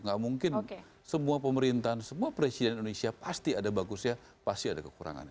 gak mungkin semua pemerintahan semua presiden indonesia pasti ada bagusnya pasti ada kekurangannya